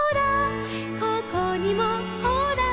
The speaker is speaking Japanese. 「ここにもほら」